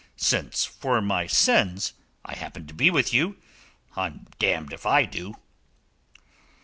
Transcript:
Since for my sins I happen to be with you, I'm damned if I do."